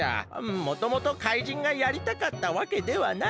もともとかいじんがやりたかったわけではない。